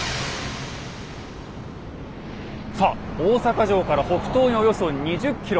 さあ大阪城から北東におよそ２０ｋｍ。